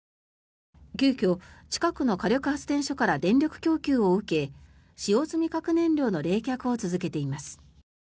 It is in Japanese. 急きょ、近くの火力発電所から電力供給を受け使用済み核燃料の冷却を続けています。